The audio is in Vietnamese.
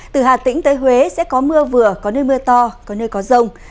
từ hà tĩnh tới huế sẽ có mưa vừa có nơi mưa to có nơi có rông